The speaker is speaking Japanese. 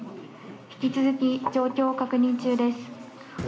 引き続き、状況を確認中です。